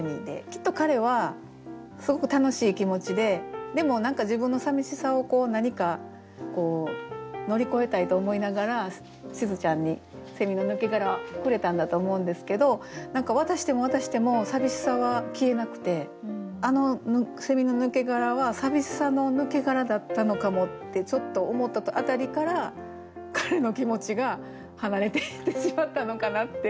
きっと彼はすごく楽しい気持ちででも何か自分のさみしさをこう何か乗り越えたいと思いながらしずちゃんにセミの抜け殻をくれたんだと思うんですけど何か渡しても渡しても寂しさは消えなくてあのセミの抜け殻は寂しさの抜け殻だったのかもってちょっと思った辺りから彼の気持ちが離れていってしまったのかなって。